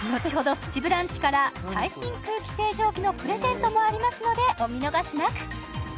「プチブランチ」から最新空気清浄機のプレゼントもありますのでお見逃しなく！